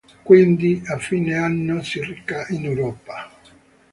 Quindi, a fine anno, si reca in Europa.